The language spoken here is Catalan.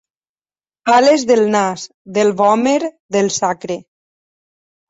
Ales del nas, del vòmer, del sacre.